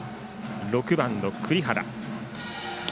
６番の栗原。